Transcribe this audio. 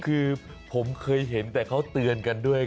คือผมเคยเห็นแต่เขาเตือนกันด้วย